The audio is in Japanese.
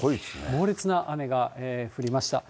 猛烈な雨が降りました。